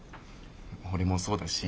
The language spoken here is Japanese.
俺もそうだし。